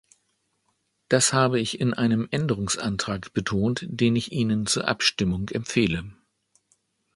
Das habe ich in einem Änderungsantrag betont, den ich Ihnen zur Abstimmung empfehle.